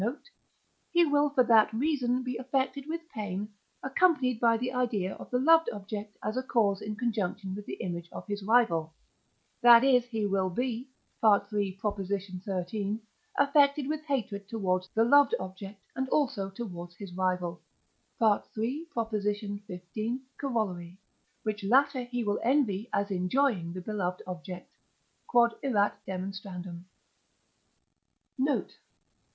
note) he will for that reason be affected with pain, accompanied by the idea of the loved object as a cause in conjunction with the image of his rival; that is, he will be (III. xiii.) affected with hatred towards the loved object and also towards his rival (III. xv. Coroll.), which latter he will envy as enjoying the beloved object. Q.E.D. Note.